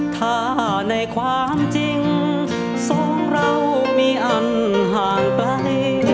ถ้าในความจริงสองเรามีอันห่างไป